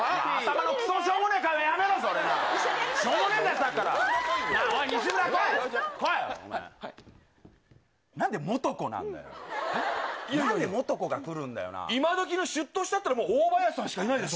今どきのしゅっとしたっていったら、もう大林さんしかいないでしょ。